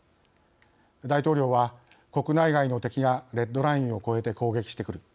大統領は「国内外の敵がレッドラインを越えて攻撃してくる。